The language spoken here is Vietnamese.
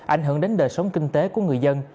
ảnh hưởng đến đời sống kinh tế của người dân